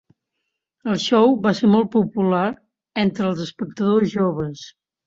El show va ser molt popular entre els espectadors joves.